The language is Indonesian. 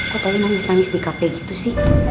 kok tadi nangis nangis di kafe gitu sih